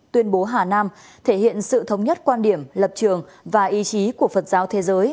tuyên bố hà nam thể hiện sự thống nhất quan điểm lập trường và ý chí của phật giáo thế giới